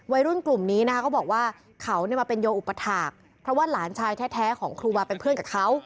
วัยรุ่นกลุ่มนี้นะคะเขาบอกว่าเขามาเป็นโยอุปถาคเพราะว่าหลานชายแท้ของครูวาเป็นเพื่อนกับเขา